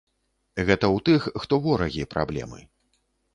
Гэта ў тых, хто ворагі, праблемы.